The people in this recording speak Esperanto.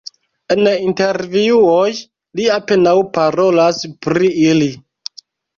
En intervjuoj li apenaŭ parolas pri ili.